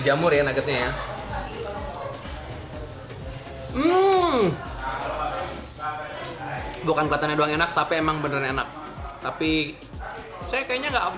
jamur ya nuggetnya ya bukan kelihatannya doang enak tapi emang bener enak tapi saya kayaknya enggak